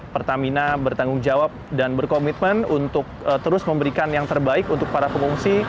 pertamina bertanggung jawab dan berkomitmen untuk terus memberikan yang terbaik untuk para pengungsi